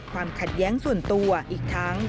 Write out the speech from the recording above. ความขัดแย้งส่วนตัวอีกทั้ง